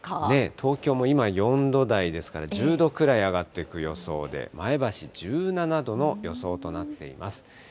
東京も今、４度台ですから、１０度くらい上がっていく予想で、前橋１７度の予想となっています。